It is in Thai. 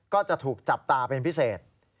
ก็จะถูกจับตาเป็นพิเศษ